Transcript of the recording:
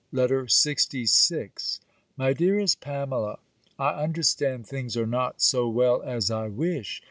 B. LETTER LXVI MY DEAREST PAMELA, I understand things are not so well as I wish.